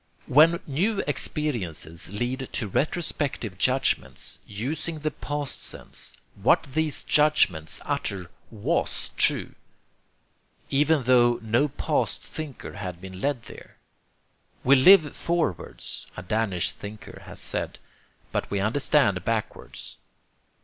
When new experiences lead to retrospective judgments, using the past tense, what these judgments utter WAS true, even tho no past thinker had been led there. We live forwards, a Danish thinker has said, but we understand backwards.